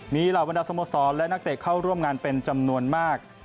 มีเหล่าบรรดาสโมสรและนักเตะเข้าร่วมงานเป็นจำนวนมาก